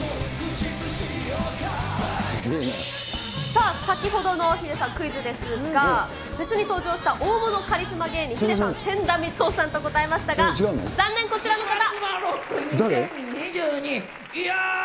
さあ、先ほどの、ヒデさん、クイズですが、フェスに登場した大物カリスマ芸人、ヒデさん、せんだみつおさんと答えましたが、残念、こちらの方。